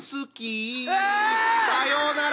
うわ！さようなら！